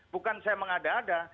bukan saya mengada ada